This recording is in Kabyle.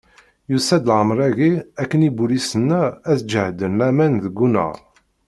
Yusa-d lamer-agi akken ibulisen-a, ad sǧehden laman deg unnar.